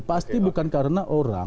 pasti bukan karena orang